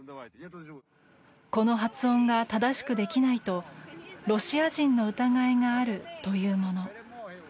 この発音が正しくできないとロシア人の疑いがあるというもの。